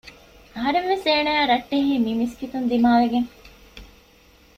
އަހަރެން ވެސް އޭނާއާއި ރައްޓެހީ މި މިސްކިތުން ދިމާ ވެގެން